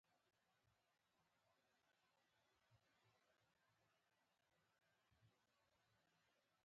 سړه ورځ وه، غرمه مهال و.